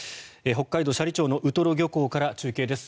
北海道斜里町のウトロ漁港から中継です。